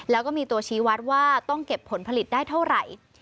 แล้วก็มีตัวชี้วัดว่าต้องเก็บผลผลิตได้เท่าไหร่